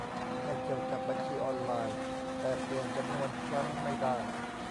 ไม่เกี่ยวกับบัญชีออนไลน์ แต่เปลี่ยนจำนวนครั้งไม่ได้